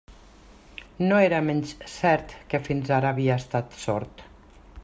No era menys cert que fins ara havia estat sord.